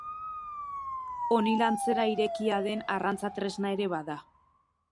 Onil antzera irekia den arrantza-tresna ere bada.